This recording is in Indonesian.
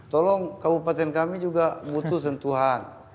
tolong kabupaten kami juga butuh sentuhan